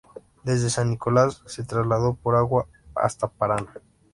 Desde San Nicolás se trasladó por agua hasta Paraná.